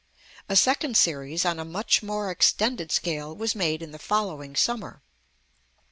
A second series, on a much more extended scale, was made in the following summer.